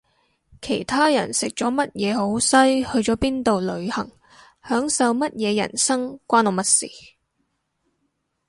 其他人食咗乜嘢好西去咗邊度旅行享受乜嘢人生關我乜事